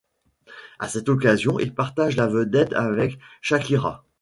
À cette occasion, il partage la vedette avec Shakira.